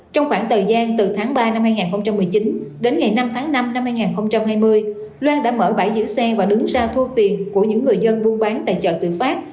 trong khoảng thời gian từ tháng ba năm hai nghìn một mươi chín đến ngày năm tháng năm năm hai nghìn hai mươi loan đã mở bãi giữ xe và đứng ra thu tiền của những người dân buôn bán tại chợ tự phát